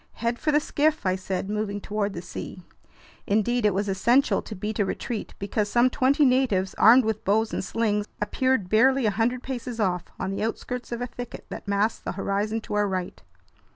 "Head for the skiff!" I said, moving toward the sea. Indeed, it was essential to beat a retreat because some twenty natives, armed with bows and slings, appeared barely a hundred paces off, on the outskirts of a thicket that masked the horizon to our right.